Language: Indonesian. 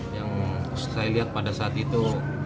yang saya lihat pada saat itu